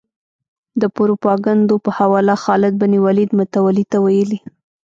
د پروپاګندونو په حواله خالد بن ولید متولي ته ویلي.